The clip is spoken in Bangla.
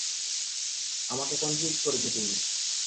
আমাকে কনফিউজড করেছো তুমি।